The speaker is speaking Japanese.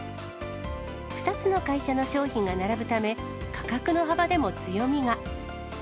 ２つの会社の商品が並ぶため、価格の幅でも強みが。